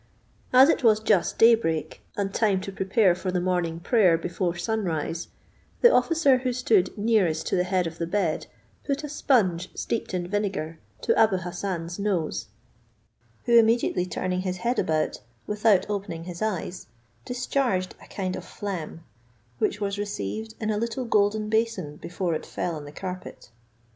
As it was just day break, and time to prepare for the morning prayer before sun rise, the officer who stood nearest to the head of the bed put a sponge steeped in vinegar to Abou Hassan's nose, who immediately turning his head about, without opening his eyes, discharged a kind of phlegm, which was received in a little golden basin before it fell on the carpet.